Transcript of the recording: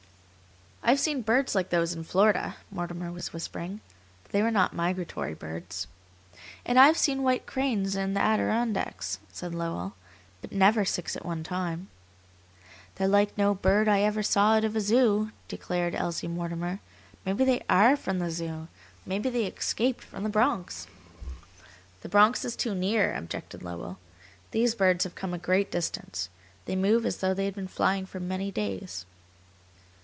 "I have seen birds like those in Florida," Mortimer was whispering, "but they were not migratory birds." "And I've seen white cranes in the Adirondacks," said Lowell, "but never six at one time." "They're like no bird I ever saw out of a zoo," declared Elsie Mortimer. "Maybe they ARE from the Zoo? Maybe they escaped from the Bronx?" "The Bronx is too near," objected Lowell. "These birds have come a great distance. They move as though they had been flying for many days."